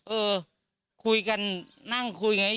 เออคุยกันนั่งคุยไง